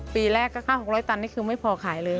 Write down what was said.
ปีแรกก็ค่า๖๐๐ตันนี่คือไม่พอขายเลย